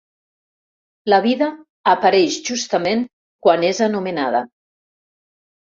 La vida apareix justament quan és anomenada.